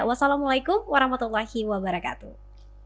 wassalamualaikum warahmatullahi wabarakatuh